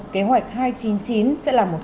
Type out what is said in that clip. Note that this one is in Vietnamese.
kế hoạch hai trăm chín mươi chín sẽ là một kế hoạch